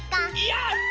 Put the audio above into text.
やった！